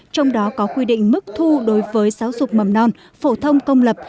trong đó có quy định mức thu đối với giáo dục mầm non phổ thông công lập